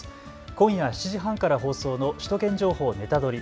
今夜７時半から放送の首都圏情報ネタドリ！